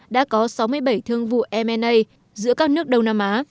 đã có sáu mươi bảy thương vụ m a giữa các nước đông nam á